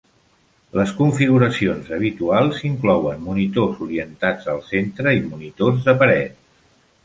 Les configuracions habituals inclouen monitors orientats al centre i monitors de paret.